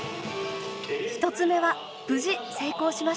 １つ目は無事成功しました。